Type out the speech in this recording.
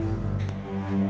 ibu macam apa begini